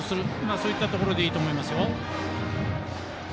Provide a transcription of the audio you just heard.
そういったところでいいと思います。